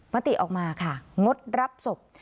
ติออกมาค่ะงดรับศพ